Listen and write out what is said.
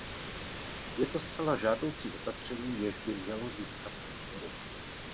Je to zcela žádoucí opatření, jež by mělo získat podporu.